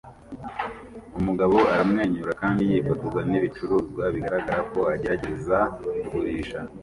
Umugabo aramwenyura kandi yifotoza nibicuruzwa bigaragara ko agerageza kugurisha